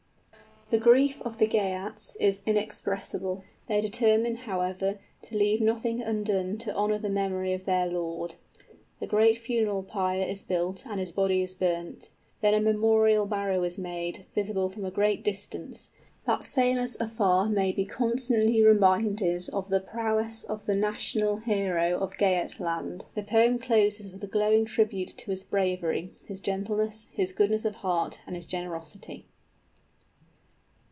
The grief of the Geats is inexpressible. They determine, however, to leave nothing undone to honor the memory of their lord. A great funeral pyre is built, and his body is burnt. Then a memorial barrow is made, visible from a great distance, that sailors afar may be constantly reminded of the prowess of the national hero of Geatland._ _The poem closes with a glowing tribute to his bravery, his gentleness, his goodness of heart, and his generosity.